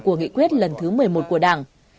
của nghị quyết lần thứ một mươi một của đảng